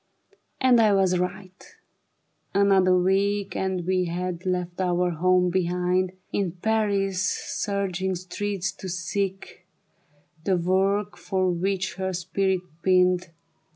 And I was right ; another week And we had left our home behind, In Paris' surging streets to seek The work for which her spirit pined.